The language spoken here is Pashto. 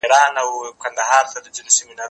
زه اوږده وخت قلم استعمالوموم وم!.